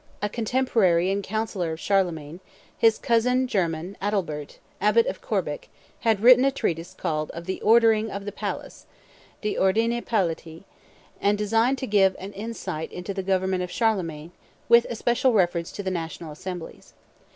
A contemporary and counsellor of Charlemagne, his cousin german Adalbert, abbot of Corbic, had written a treatise entitled Of the Ordering of the Palace (De Ordine Palatii), and designed to give an insight into the government of Charlemagne, with especial reference to the national assemblies.